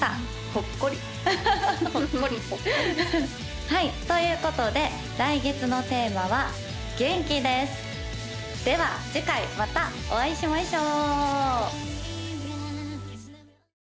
ほっこりはいということで来月のテーマは「元気」ですでは次回またお会いしましょう